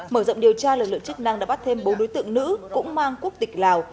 mở rộng điều tra lực lượng chức năng đã bắt thêm bốn đối tượng nữ cũng mang quốc tịch lào